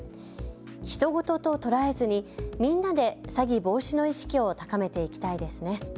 ひと事と捉えずにみんなで詐欺防止の意識を高めていきたいですね。